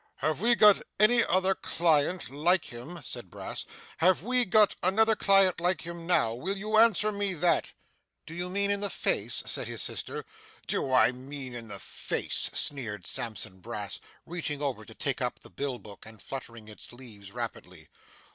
'Have we got any other client like him?' said Brass. 'Have we got another client like him now will you answer me that?' 'Do you mean in the face!' said his sister. 'Do I mean in the face!' sneered Sampson Brass, reaching over to take up the bill book, and fluttering its leaves rapidly.